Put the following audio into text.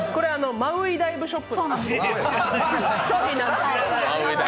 マウイダイブショップ。